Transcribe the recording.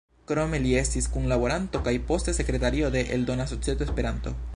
Krome li estis kunlaboranto kaj poste sekretario de Eldona Societo Esperanto.